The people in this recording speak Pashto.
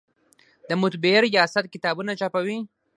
د مطبعې ریاست کتابونه چاپوي؟